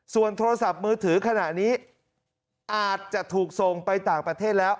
ส่วนโทรศัพท์มือถือขณะนี้อาจจะถูกส่งไปต่างประเทศแล้ว